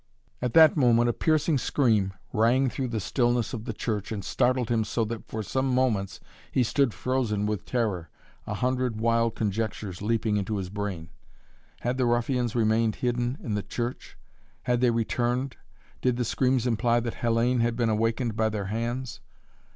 At that moment a piercing scream rang through the stillness of the church and startled him so that for some moments he stood frozen with terror, a hundred wild conjectures leaping into his brain. Had the ruffians remained hidden in the church? Had they returned? Did the screams imply that Hellayne had been awakened by their hands?